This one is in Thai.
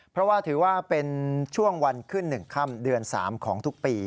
เพราะว่าถือว่าเป็นช่วงวันขึ้น๑ค่ำเดือน๓ของทุกปี